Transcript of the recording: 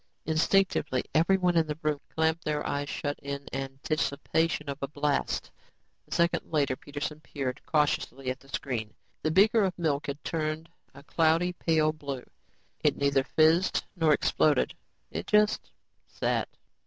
Instinctively, everyone in the room clamped their eyes shut in anticipation of a blast. A second later, Peterson peered cautiously at the screen. The beaker of milk had turned a cloudy pale blue. It neither fizzed nor exploded. It just sat.